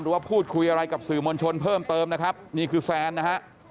ว่าพูดคุยอะไรกับสื่อมวลชนเพิ่มเติมนะครับนี่คือแซนนะฮะ